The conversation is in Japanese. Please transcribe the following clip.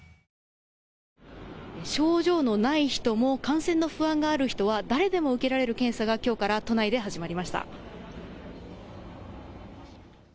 症状のない人も感染の不安がある人は誰でも受けられる検査がきょうから都内で始まりました。